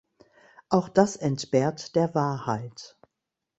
Auch das entbehrt der Wahrheit.